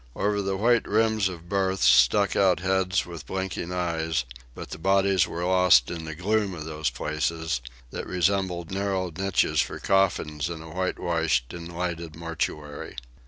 Over the white rims of berths stuck out heads with blinking eyes; but the bodies were lost in the gloom of those places, that resembled narrow niches for coffins in a whitewashed and lighted mortuary.